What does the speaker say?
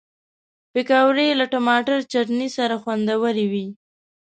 پکورې له ټماټر چټني سره خوندورې وي